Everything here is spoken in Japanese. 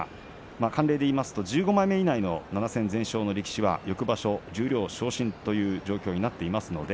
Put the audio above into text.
慣例でいいますと１５枚目以内の７戦全勝の力士は来場所、十両昇進ということになっています。